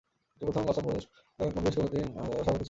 তিনি প্রথম আসাম প্রদেশ কংগ্রেস কমিটির সভাপতি ছিলেন।